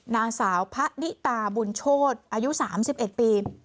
นางสาวพระนิตาบุญโชฑอายุสามสิบเอ็ดปี